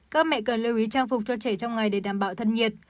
các mẹ cần lưu ý trang phục cho trẻ trong ngày để đảm bảo thân nhiệt